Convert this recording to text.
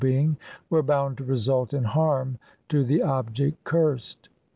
being were bound to result in harm to the object cursed.